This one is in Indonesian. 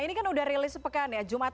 di studio kita biasanya udah outset